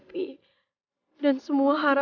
dia yang sama aja bukannya